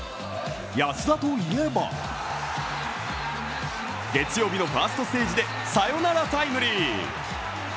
安田といえば月曜日のファーストステージでサヨナラタイムリー。